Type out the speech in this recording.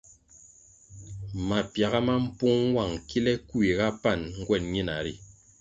Mapiaga ma mpung nwang kile kuiga pan nguen ñina ri.